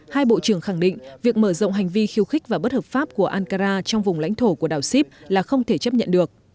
hai bộ trưởng khẳng định việc mở rộng hành vi khiêu khích và bất hợp pháp của ankara trong vùng lãnh thổ của đảo sip là không thể chấp nhận được